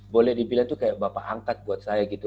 boleh dibilang tuh kayak bapak angkat buat saya gitu